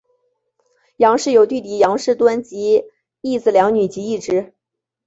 杨氏有弟弟杨圣敦及一子两女及一侄。